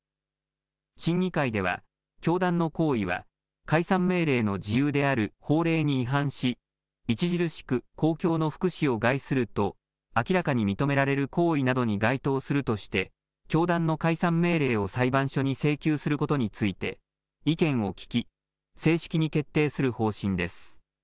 審議会では教団の行為は解散命令の事由である法令に違反し著しく公共の福祉を害すると明らかに認められる行為などに該当するとして教団の解散命令を裁判所に請求することについて意見を聴き正式に決定する方針です。